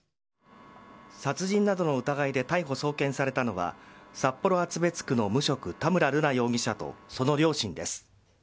殺人などの疑いで逮捕・送検されたのは札幌・厚別区の無職田村瑠奈容疑者とその両親です。